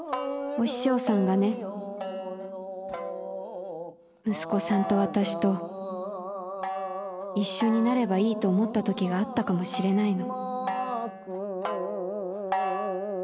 お師匠さんがね息子さんと私と一緒になればいいと思った時があったかもしれないの。